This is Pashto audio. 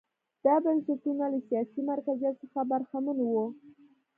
دا بنسټونه له سیاسي مرکزیت څخه برخمن وو.